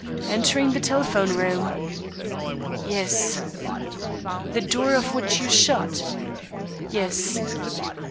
"Entering the telephone room?" "Yes." "The door of which you shut?" "Yes."